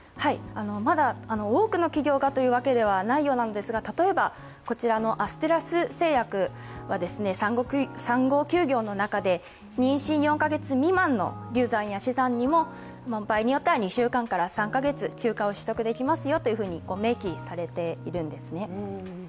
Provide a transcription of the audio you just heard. まだ多くの企業がというわけではないようなのですが、例えば、アステラス製薬は産後休業の中で妊娠４か月未満の流産や死産にも場合によっては２週間から３か月休暇を取得できますよと明記されているんですね。